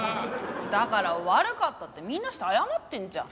だから悪かったってみんなして謝ってるじゃん。